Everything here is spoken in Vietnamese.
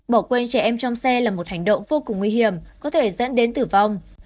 bỏ quê trẻ em trong xe là một hành động vô cùng nguy hiểm có thể dẫn đến tử vong